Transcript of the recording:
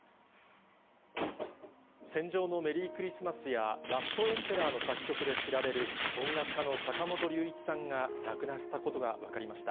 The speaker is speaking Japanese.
戦場のメリークリスマスや、ラストエンペラーの作曲で知られる、音楽家の坂本龍一さんが亡くなったことが分かりました。